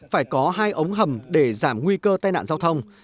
phải có hai ống hầm để giảm nguy cơ tai nạn giao thông